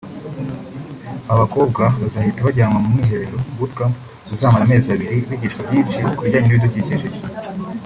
Aba bakobwa bazahita bajyanwa mu mwiherero(boot camp) uzamara amezi abiri bigishwa byinshi ku bijyanye n’ibidukikije